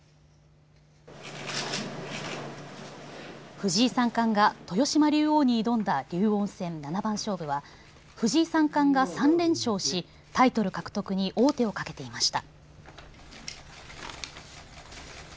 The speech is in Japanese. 藤井三冠が豊島竜王に挑んだ竜王戦七番勝負は藤井三冠が３連勝しタイトル獲得に王手をかけていました。